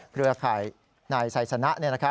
เครือข่ายนายไซสนะ